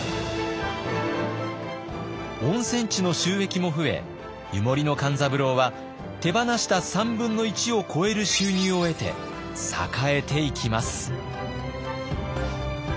温泉地の収益も増え湯守の勘三郎は手放した３分の１を超える収入を得て栄えていきます。